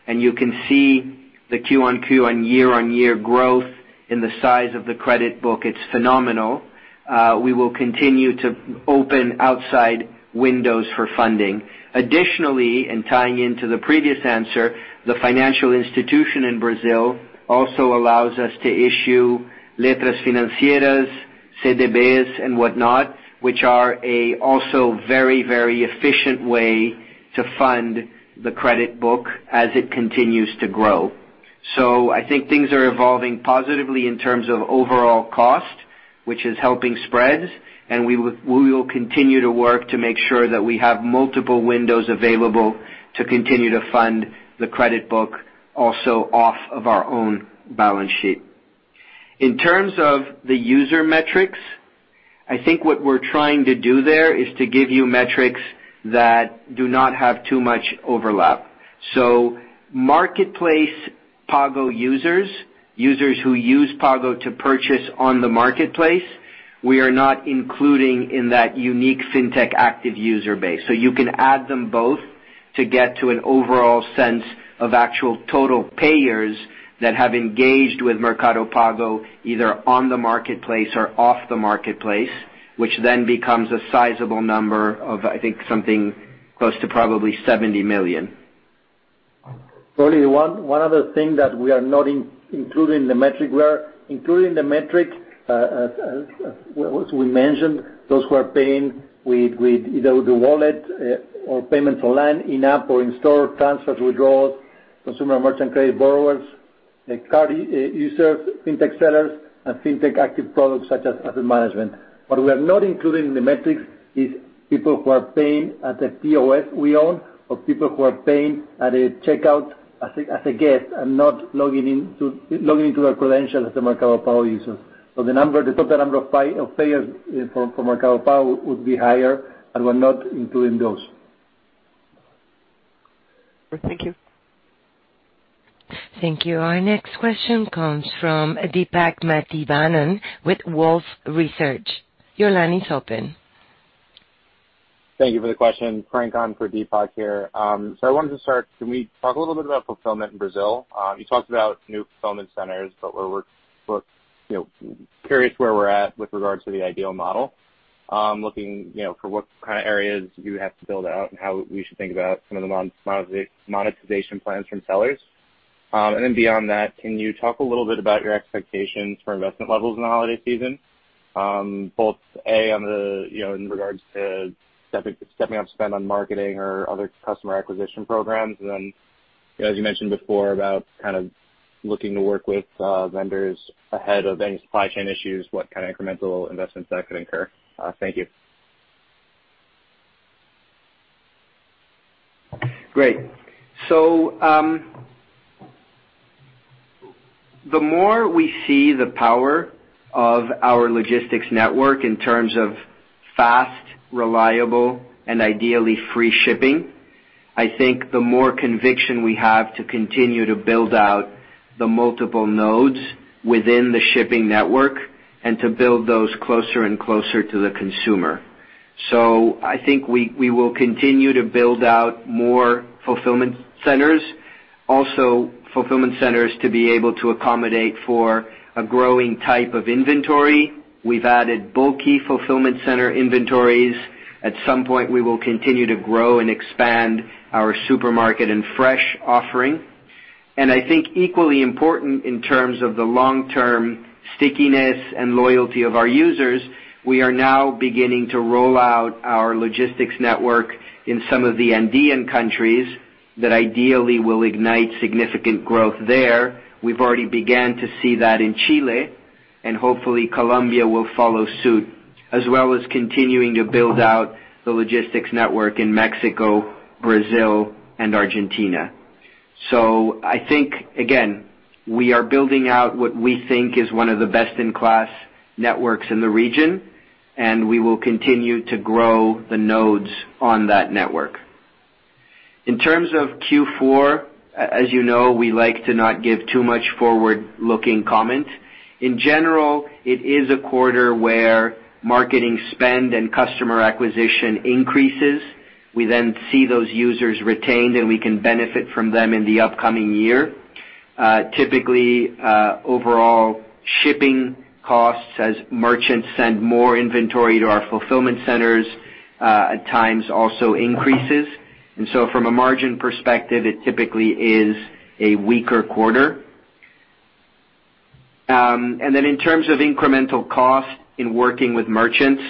and you can see the Q-on-Q and year-on-year growth in the size of the credit book, it's phenomenal, we will continue to open outside windows for funding. Additionally, and tying into the previous answer, the financial institution in Brazil also allows us to issue letras financeiras, CDBs and whatnot, which are also a very, very efficient way to fund the credit book as it continues to grow. I think things are evolving positively in terms of overall cost, which is helping spreads, and we will continue to work to make sure that we have multiple windows available to continue to fund the credit book also off of our own balance sheet. In terms of the user metrics, I think what we're trying to do there is to give you metrics that do not have too much overlap. Mercado Pago users who use Pago to purchase on the marketplace, we are not including in that unique fintech active user base. You can add them both to get to an overall sense of actual total payers that have engaged with Mercado Pago either on the marketplace or off the marketplace, which then becomes a sizable number of, I think, something close to probably 70 million. One other thing that we are not including in the metric. We are including the metric, as we mentioned, those who are paying with either the wallet or payment online, in-app or in-store transfers, withdrawals, consumer merchant credit borrowers, like card users, fintech sellers, and fintech active products such as asset management. What we are not including in the metrics is people who are paying at the POS we own or people who are paying at a checkout as a guest and not logging into their credentials as the Mercado Pago users. The total number of payers from Mercado Pago would be higher, and we're not including those. Thank you. Thank you. Our next question comes from Deepak Mathivanan with Wolfe Research. Your line is open. Thank you for the question. Frank on for Deepak here. I wanted to start, can we talk a little bit about fulfillment in Brazil? You talked about new fulfillment centers, but we're, you know, curious where we're at with regard to the ideal model. Looking, you know, for what kind of areas you have to build out and how we should think about some of the monetization plans from sellers. And then beyond that, can you talk a little bit about your expectations for investment levels in the holiday season, both A, on the, you know, in regards to stepping up spend on marketing or other customer acquisition programs. As you mentioned before about kind of looking to work with vendors ahead of any supply chain issues, what kind of incremental investments that could incur? Thank you. Great. The more we see the power of our logistics network in terms of fast, reliable, and ideally free shipping, I think the more conviction we have to continue to build out the multiple nodes within the shipping network and to build those closer and closer to the consumer. I think we will continue to build out more fulfillment centers, also fulfillment centers to be able to accommodate for a growing type of inventory. We've added bulky fulfillment center inventories. At some point, we will continue to grow and expand our supermarket and fresh offering. I think equally important in terms of the long-term stickiness and loyalty of our users, we are now beginning to roll out our logistics network in some of the Andean countries that ideally will ignite significant growth there. We've already began to see that in Chile, and hopefully Colombia will follow suit, as well as continuing to build out the logistics network in Mexico, Brazil, and Argentina. I think, again, we are building out what we think is one of the best-in-class networks in the region, and we will continue to grow the nodes on that network. In terms of Q4, as you know, we like to not give too much forward-looking comment. In general, it is a quarter where marketing spend and customer acquisition increases. We then see those users retained, and we can benefit from them in the upcoming year. Typically, overall shipping costs as merchants send more inventory to our fulfillment centers, at times also increases. From a margin perspective, it typically is a weaker quarter. In terms of incremental cost in working with merchants,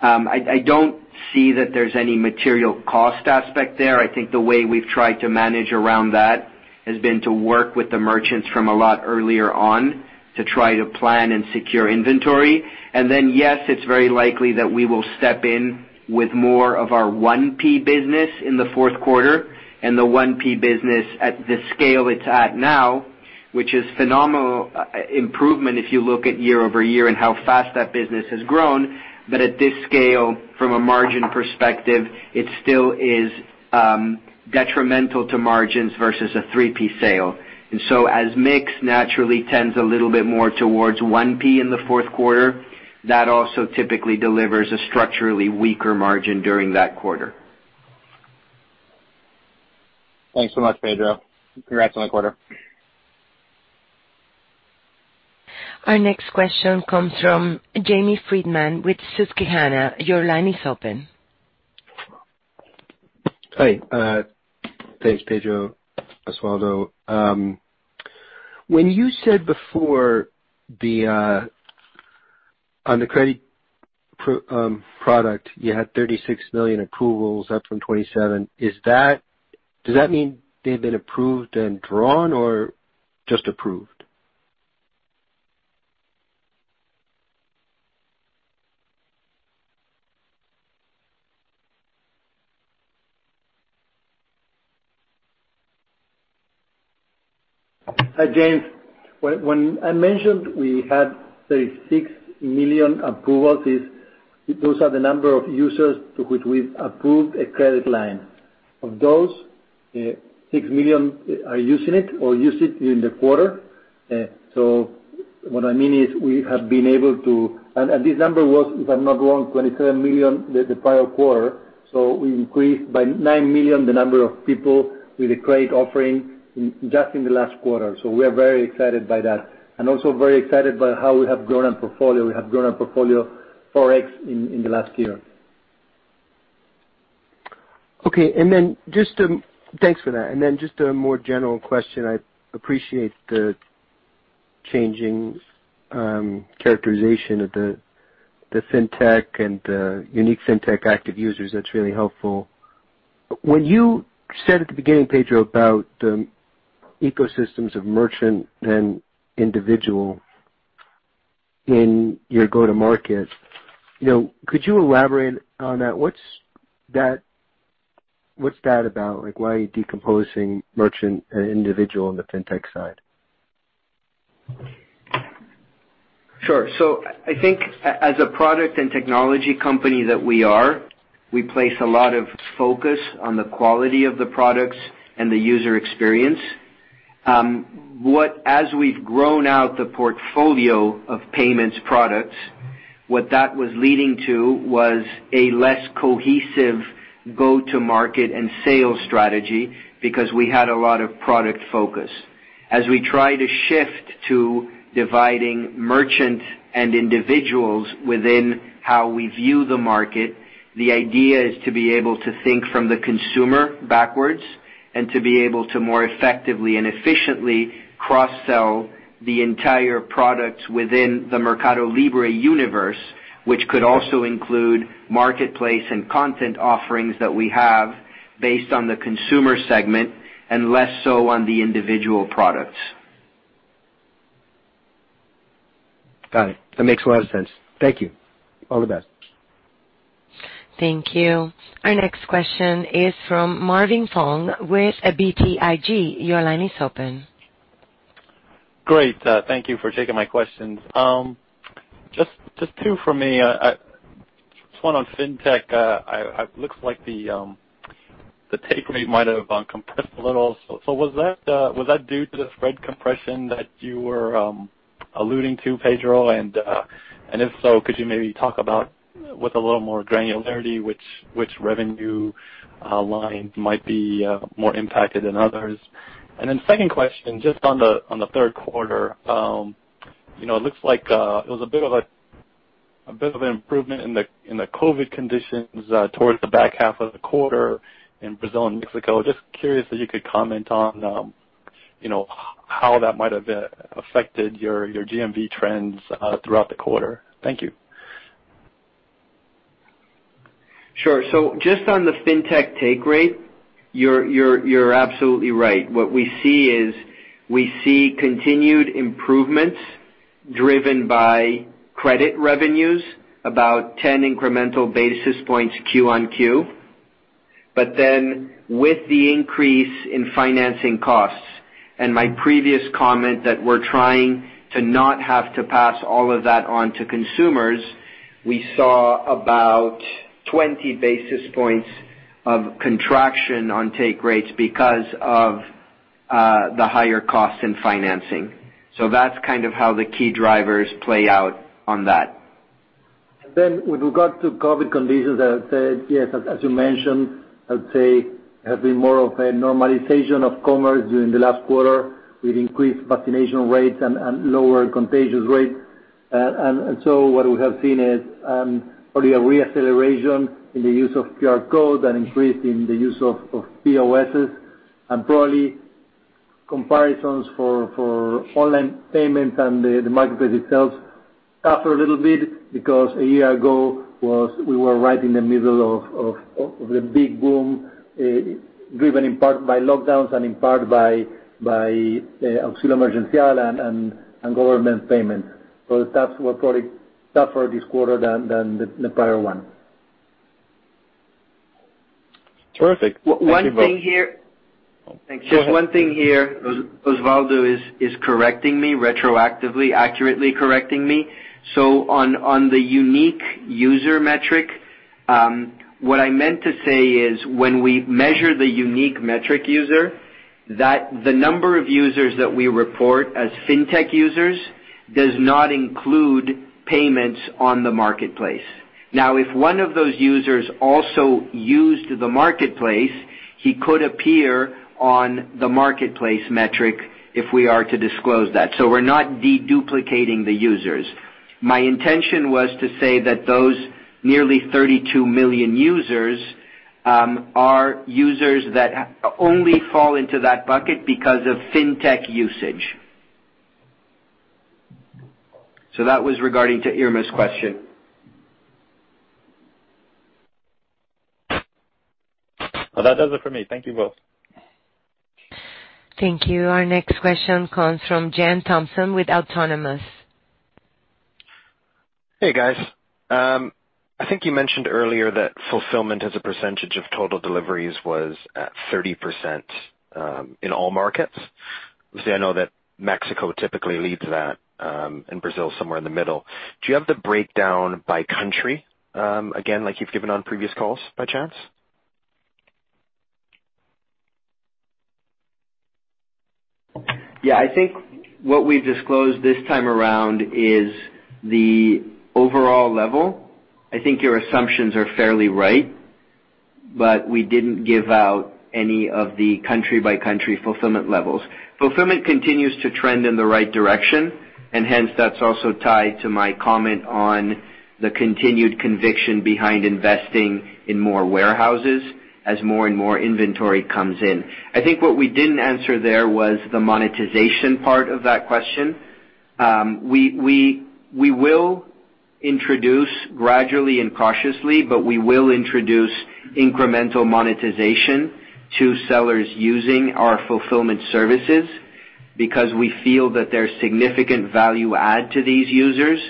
I don't see that there's any material cost aspect there. I think the way we've tried to manage around that has been to work with the merchants from a lot earlier on to try to plan and secure inventory. Yes, it's very likely that we will step in with more of our 1P business in the fourth quarter and the 1P business at the scale it's at now, which is phenomenal improvement if you look at year-over-year and how fast that business has grown. At this scale, from a margin perspective, it still is detrimental to margins versus a 3P sale. As mix naturally tends a little bit more towards 1P in the fourth quarter, that also typically delivers a structurally weaker margin during that quarter. Thanks so much, Pedro. Congrats on the quarter. Our next question comes from Jamie Friedman with Susquehanna. Your line is open. Hi. Thanks, Pedro, Osvaldo. When you said before, on the credit product, you had 36 million approvals, up from 27, does that mean they've been approved and drawn or just approved? Hi, Jamie. When I mentioned we had 36 million approvals, those are the number of users to which we've approved a credit line. Of those, 6 million are using it or used it in the quarter. What I mean is we have been able to. This number was, if I'm not wrong, 27 million the prior quarter. We increased by 9 million the number of people with a credit offering just in the last quarter. We are very excited by that and also very excited by how we have grown our portfolio. We have grown our portfolio 4x in the last year. Okay. Thanks for that. Just a more general question. I appreciate the changing characterization of the fintech and the unique fintech active users. That's really helpful. When you said at the beginning, Pedro, about the ecosystems of merchant and individual in your go-to market, you know, could you elaborate on that? What's that about? Like, why are you decomposing merchant and individual on the fintech side? Sure. I think as a product and technology company that we are, we place a lot of focus on the quality of the products and the user experience. As we've grown out the portfolio of payments products, what that was leading to was a less cohesive go-to market and sales strategy because we had a lot of product focus. As we try to shift to dividing merchant and individuals within how we view the market, the idea is to be able to think from the consumer backwards and to be able to more effectively and efficiently cross-sell the entire products within the MercadoLibre universe, which could also include marketplace and content offerings that we have based on the consumer segment and less so on the individual products. Got it. That makes a lot of sense. Thank you. All the best. Thank you. Our next question is from Marvin Fong with BTIG. Your line is open. Great. Thank you for taking my questions. Just two for me. Just one on fintech. It looks like the take rate might have compressed a little. So was that due to the spread compression that you were alluding to, Pedro? If so, could you maybe talk about, with a little more granularity, which revenue line might be more impacted than others? Second question, just on the third quarter, you know, it looks like it was a bit of an improvement in the COVID conditions towards the back half of the quarter in Brazil and Mexico. Just curious if you could comment on, you know, how that might have affected your GMV trends throughout the quarter. Thank you. Sure. Just on the fintech take rate, you're absolutely right. What we see is we see continued improvements driven by credit revenues, about 10 incremental basis points Q-on-Q. With the increase in financing costs, and my previous comment that we're trying to not have to pass all of that on to consumers, we saw about 20 basis points of contraction on take rates because of the higher costs in financing. That's kind of how the key drivers play out on that. Then with regard to COVID conditions, I would say, yes, as you mentioned, I would say it has been more of a normalization of commerce during the last quarter with increased vaccination rates and lower contagion rates. And so what we have seen is probably a reacceleration in the use of QR codes and increase in the use of POSs. Probably comparisons for online payments and the marketplace itself suffer a little bit because a year ago we were right in the middle of the big boom driven in part by lockdowns and in part by Auxílio Emergencial and government payments. The stats were probably tougher this quarter than the prior one. Terrific. Thank you both. One thing here. Oh. Thanks. Go ahead. Just one thing here. Osvaldo is correcting me retroactively, accurately correcting me. On the unique user metric, what I meant to say is when we measure the unique user metric, that the number of users that we report as fintech users does not include payments on the marketplace. Now, if one of those users also used the marketplace, he could appear on the marketplace metric if we are to disclose that. We're not deduplicating the users. My intention was to say that those nearly 32 million users are users that only fall into that bucket because of fintech usage. That was regarding Irma's question. Well, that does it for me. Thank you both. Thank you. Our next question comes from Jen Thompson with Autonomous. Hey, guys. I think you mentioned earlier that fulfillment as a percentage of total deliveries was at 30%, in all markets. Obviously, I know that Mexico typically leads that, and Brazil is somewhere in the middle. Do you have the breakdown by country, again, like you've given on previous calls by chance? Yeah. I think what we've disclosed this time around is the overall level. I think your assumptions are fairly right. We didn't give out any of the country-by-country fulfillment levels. Fulfillment continues to trend in the right direction, and hence, that's also tied to my comment on the continued conviction behind investing in more warehouses as more and more inventory comes in. I think what we didn't answer there was the monetization part of that question. We will introduce gradually and cautiously, but we will introduce incremental monetization to sellers using our fulfillment services because we feel that there's significant value add to these users.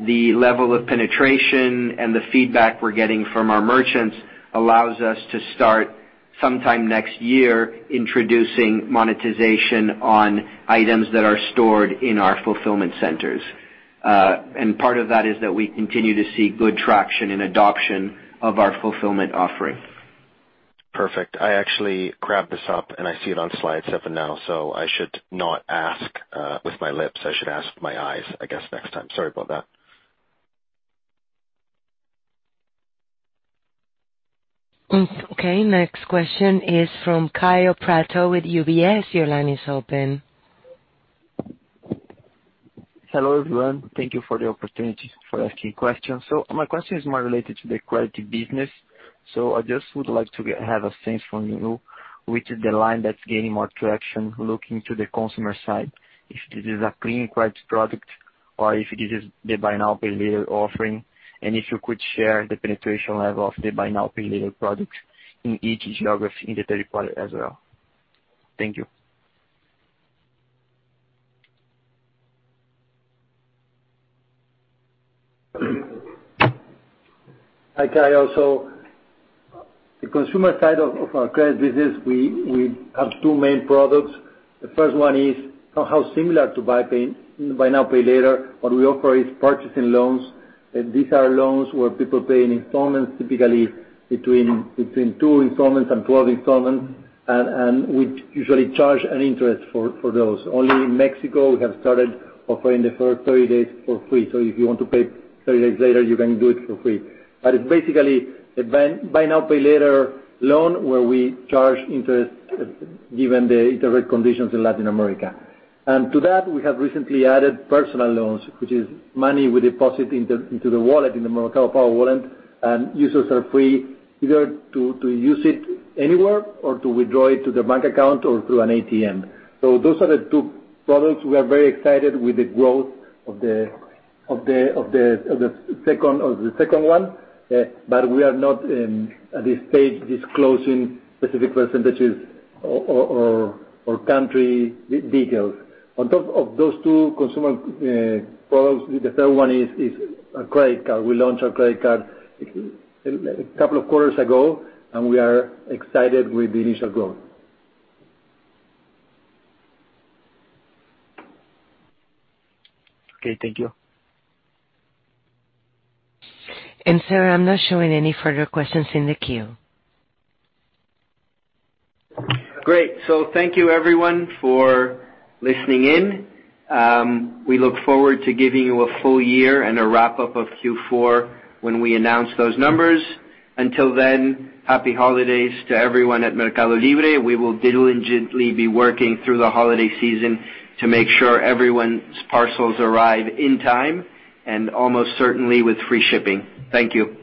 The level of penetration and the feedback we're getting from our merchants allows us to start sometime next year introducing monetization on items that are stored in our fulfillment centers. Part of that is that we continue to see good traction and adoption of our fulfillment offering. Perfect. I actually grabbed this up, and I see it on slide seven now, so I should not ask with my lips. I should ask my eyes, I guess, next time. Sorry about that. Okay, next question is from Kaio Prato with UBS. Your line is open. Hello, everyone. Thank you for the opportunity for asking questions. My question is more related to the credit business. I just would like to have a sense from you which is the line that's gaining more traction looking to the consumer side, if this is a clean credit product or if it is the buy now, pay later offering? And if you could share the penetration level of the buy now, pay later products in each geography in the third quarter as well. Thank you. Hi, Kaio. The consumer side of our credit business, we have two main products. The first one is somehow similar to buy now, pay later. What we offer is purchasing loans. These are loans where people pay in installments, typically between two installments and 12 installments, and we usually charge an interest for those. Only in Mexico, we have started offering the first 30 days for free. If you want to pay 30 days later, you can do it for free. It's basically a buy now, pay later loan where we charge interest given the interest rate conditions in Latin America. To that we have recently added personal loans, which is money we deposit into the wallet, in the Mercado Pago wallet, and users are free either to use it anywhere or to withdraw it to their bank account or through an ATM. Those are the two products. We are very excited with the growth of the second one, but we are not yet at this stage disclosing specific percentages or country details. On top of those two consumer products, the third one is a credit card. We launched our credit card a couple of quarters ago, and we are excited with the initial growth. Okay, thank you. Sir, I'm not showing any further questions in the queue. Great. Thank you everyone for listening in. We look forward to giving you a full year and a wrap-up of Q4 when we announce those numbers. Until then, happy holidays to everyone at MercadoLibre. We will diligently be working through the holiday season to make sure everyone's parcels arrive in time and almost certainly with free shipping. Thank you.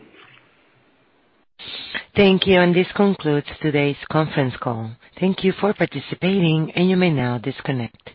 Thank you. This concludes today's conference call. Thank you for participating, and you may now disconnect.